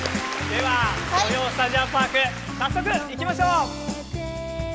では「土曜スタジオパーク」早速いきましょう。